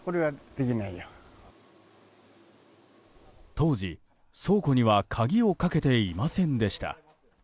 当時、倉庫には鍵をかけていませんでした。